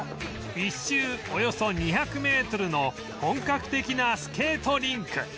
１周およそ２００メートルの本格的なスケートリンク